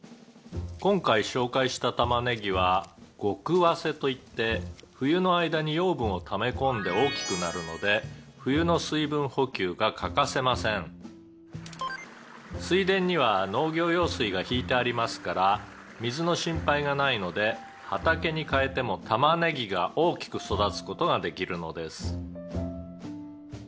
「今回紹介したたまねぎは極早生といって冬の間に養分をため込んで大きくなるので冬の水分補給が欠かせません」「水田には農業用水が引いてありますから水の心配がないので畑に変えてもたまねぎが大きく育つ事ができるのです」